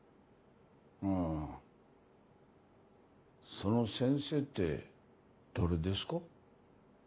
その「先生」って誰ですか？